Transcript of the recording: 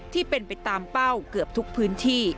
ที่เป็นไปตามเป้าเกือบทุกพื้นที่